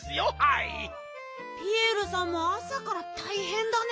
ピエールさんもあさからたいへんだね。